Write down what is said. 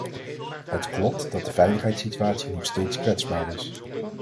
Het klopt dat de veiligheidssituatie nog steeds kwetsbaar is.